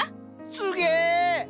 すげえ！